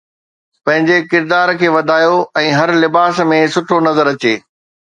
پنهنجي ڪردار کي وڌايو ۽ هر لباس ۾ سٺو نظر اچي